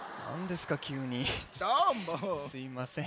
すいません。